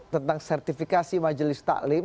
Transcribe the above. tentang sertifikasi majelis talim